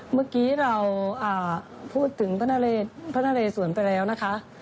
เมื่อกี้เราพูดถึงพระนเรสวนไปแล้วนะคะ